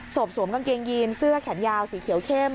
สวมกางเกงยีนเสื้อแขนยาวสีเขียวเข้ม